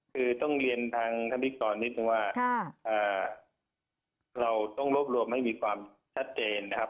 คือต้องเรียนทางท่านพิกรนิดนึงว่าเราต้องรวบรวมให้มีความชัดเจนนะครับ